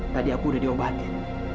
tadi aku udah diobatin